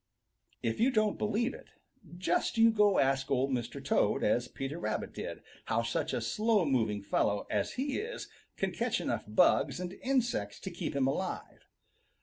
If you don't believe it, just you go ask Old Mr. Toad, as Peter Rabbit did, how such a slow moving fellow as he is can catch enough bugs and insects to keep him alive.